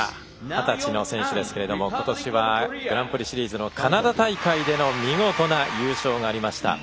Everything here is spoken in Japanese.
二十歳の選手ですけども今年はグランプリシリーズのカナダ大会での見事な優勝がありました。